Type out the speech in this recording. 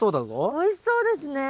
おいしそうですね。